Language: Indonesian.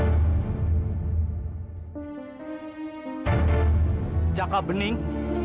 ternyata dugaanku benar akhirnya aku menemukanmu jakabening